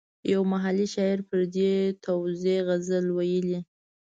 یو محلي شاعر پر دې توزېع غزل ویلی.